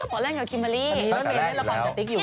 เรายังมีอะไรรายละคราวจะติ๊กอยู่